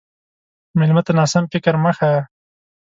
مېلمه ته ناسم فکر مه ښیه.